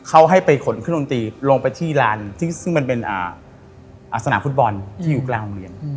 เขาให้ไปขนเครื่องดนตรีลงไปที่ลานซึ่งมันเป็นสนามฟุตบอลที่อยู่กลางโรงเรียน